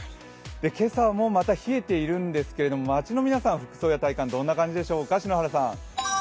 今朝もまた冷えているんですけれども、街の皆さん服装や体感どんな感じでしょうか？